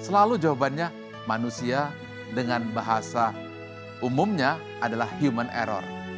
selalu jawabannya manusia dengan bahasa umumnya adalah human error